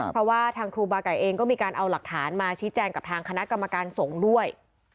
เพราะว่าทางครูบาไก่เองก็มีการเอาหลักฐานมาชี้แจงกับทางคณะกรรมการสงฆ์ด้วย